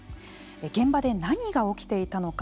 現場で何が起きていたのか。